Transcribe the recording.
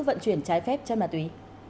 vận chuyển trái phép trên ma túy